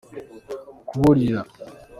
kuburira.